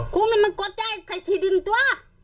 คุ้มแล้วมันกดใจใส่ชีดินตัว